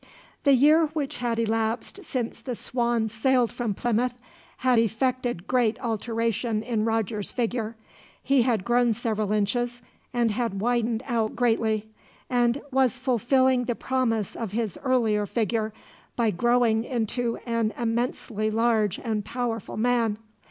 The year which had elapsed, since the Swan sailed from Plymouth, had effected great alteration in Roger's figure. He had grown several inches, and had widened out greatly; and was fulfilling the promise of his earlier figure, by growing into an immensely large and powerful man.